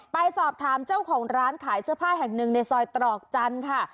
ไปสอบถามเจ้าของร้านขายเสื้อผ้าแห่งหนึ่งในซอยตรอกจันทร์ค่ะ